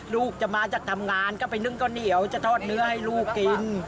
ลูกจะมาจากทำงานก็ไปนึ่งข้าวเหนียวจะทอดเนื้อให้ลูกกิน